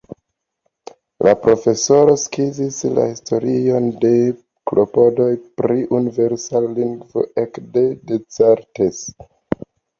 La profesoro skizis la historion de klopodoj pri universala lingvo ekde Descartes.